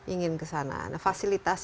ingin ke sana fasilitas